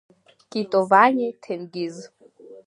Китовани Ҭенгиз…